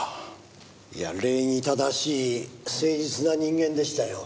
いや礼儀正しい誠実な人間でしたよ。